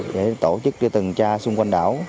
để tổ chức trực tuần tra xung quanh đảo